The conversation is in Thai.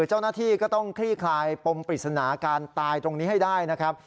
เจ้าหน้าที่ก็ต้องคลี่คลายปมปริศนาการตายตรงนี้ให้ได้นะครับ